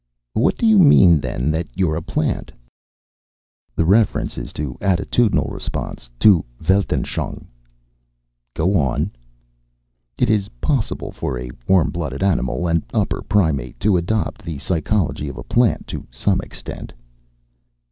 "What do you mean, then, that you're a plant?" "The reference is to attitudinal response, to Weltanschauung." "Go on." "It is possible for a warm blooded animal, an upper primate, to adopt the psychology of a plant, to some extent."